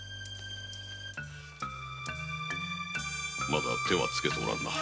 まだ手はつけておらんな。